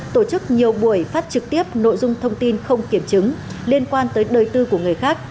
tổ chức nhiều buổi phát trực tiếp nội dung thông tin không kiểm chứng liên quan tới đời tư của người khác